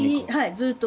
ずーっと。